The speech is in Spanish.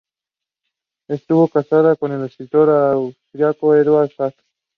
Estuvo casada con el escritor austríaco Eduard Zak.